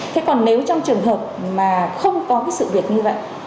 thế còn nếu trong trường hợp mà không có cái sự việc như vậy